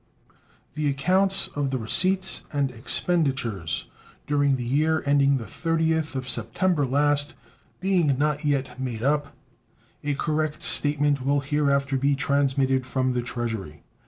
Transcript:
The accounts of the receipts and expenditures during the year ending the 30th of September last being not yet made up, a correct statement will hereafter be transmitted from the Treasury.